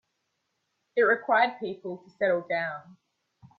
It required people to settle down.